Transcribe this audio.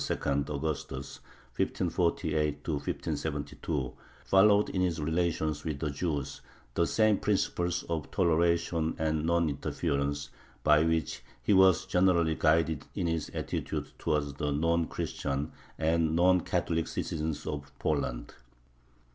Augustus (1548 1572), followed in his relations with the Jews the same principles of toleration and non interference by which he was generally guided in his attitude towards the non Christian and non Catholic citizens of Poland.